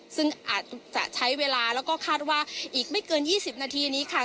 ซึ่งอาจจะใช้เวลาแล้วก็คาดว่าอีกไม่เกิน๒๐นาทีนี้ค่ะ